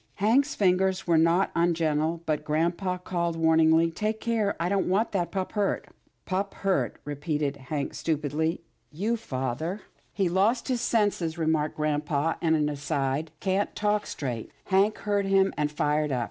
Hank's fingers were not ungentle, but grampa called warningly, " Take care — I don't want that pup hurt." " Pup hurt —" repeated Hank stupidly, " you — father." THE MONEYED PUP 107 " He's lost his senses," remarked grampa in an aside, " can't talk straight." Hank heard him and fired up.